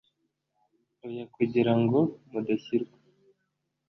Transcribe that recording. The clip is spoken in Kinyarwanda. oya kugira ngo mudashyirwa